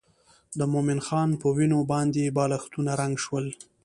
د مومن خان په وینو باندې بالښتونه رنګ شول.